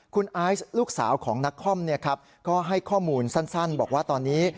คุณไอซ์ลูกสาวของนักคอมก็ให้ข้อมูลสั้นบอกว่าตอนนี้